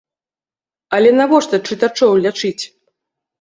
Але навошта чытачоў лячыць?